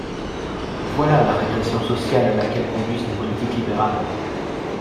Voilà la régression sociale à laquelle conduisent les politiques libérales